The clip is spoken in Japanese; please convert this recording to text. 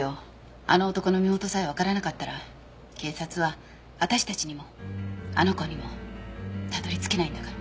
あの男の身元さえわからなかったら警察は私たちにもあの子にもたどり着けないんだから。